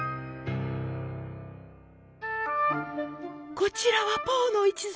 こちらは「ポーの一族」。